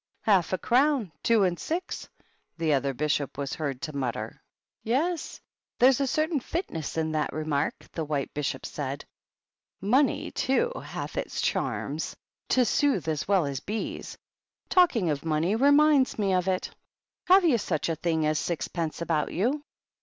"Half a crown, — ^two and six!" the other Bishop was heard to mutter. 164 THE BISHOPS. " Yes ; there's a certain fitness in that remark," the White Bishop said. "Money, too, hath its charms to soothe as well as bees. Talking of money reminds me of it. Have you such a thing as sixpence about you